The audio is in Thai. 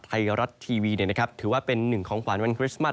ไทยรัฐทีวีถือว่าเป็นหนึ่งของขวัญวันคริสต์มัส